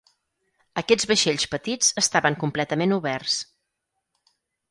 Aquests vaixells petits estaven completament oberts.